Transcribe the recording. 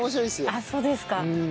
あっそうですか。